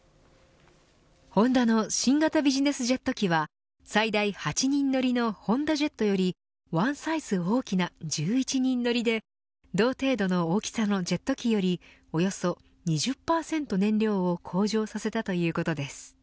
ホンダの新型ビジネスジェット機は最大８人乗りのホンダジェットよりワンサイズ大きな１１人乗りで同程度の大きさのジェット機よりおよそ２０％燃料を向上させたということです。